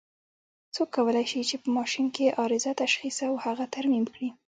څوک کولای شي چې په ماشین کې عارضه تشخیص او هغه ترمیم کړي؟